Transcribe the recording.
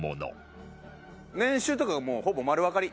年収とかがもうほぼ丸わかり。